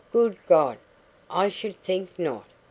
Good God, I should think not!